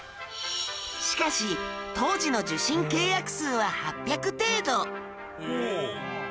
しかし当時の受信契約数は８００程度